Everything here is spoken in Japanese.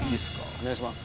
お願いします